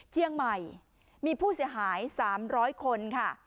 เชียงใหม่มีผู้เสียหาย๓๐๐คนค่ะ